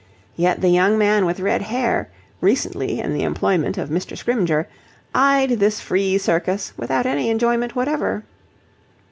Yet the young man with red hair, recently in the employment of Mr. Scrymgeour, eyed this free circus without any enjoyment whatever.